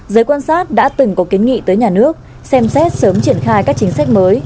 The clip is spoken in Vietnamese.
giới quan sát đã từng có kiến nghị tới nhà nước xem xét sớm triển khai các chính sách mới